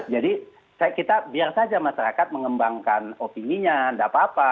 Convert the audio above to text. jadi biar saja masyarakat mengembangkan opininya tidak apa apa